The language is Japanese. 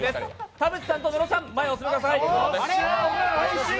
田渕さんと室さん、前へお進みください。